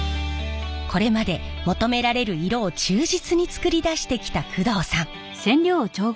これまで求められる色を忠実に作り出してきた工藤さん。